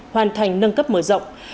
hoàn thành nâng cấp mở rộng